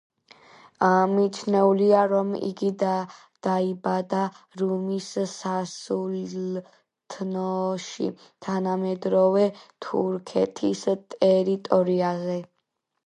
მიჩნეულია, რომ იგი დაიბადა რუმის სასულთნოში, თანამედროვე თურქეთის ტერიტორიაზე.